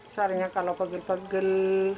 soalnya kalau pegel pegel